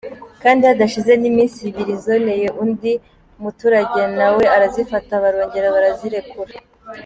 Kandi hadashize n’iminsi ibiri zoneye undi muturage nawe arazifata barongera barazirekura.